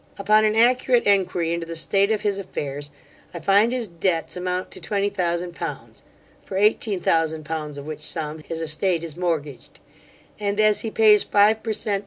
Upon an accurate enquiry into the state of his affairs, I find his debts amount to twenty thousand pounds, for eighteen thousand pounds of which sum his estate is mortgaged; and as he pays five per cent.